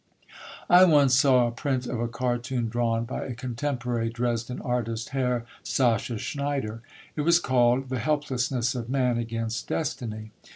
I once saw a print of a cartoon drawn by a contemporary Dresden artist, Herr Sascha Schneider. It was called "The Helplessness of Man against Destiny."